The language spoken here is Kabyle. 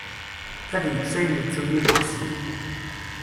Ad yekkes ayen nettu yiwen n wass.